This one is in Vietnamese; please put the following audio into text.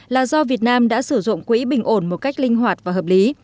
là do việt nam đã sử dụng quỹ bình ổn một cách linh hoạt và hợp lý